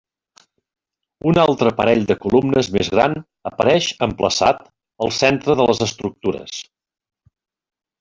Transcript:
Un altre parell de columnes més gran apareix emplaçat al centre de les estructures.